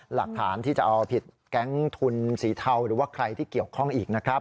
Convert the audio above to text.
หลักฐานที่จะเอาผิดแก๊งทุนสีเทาหรือว่าใครที่เกี่ยวข้องอีกนะครับ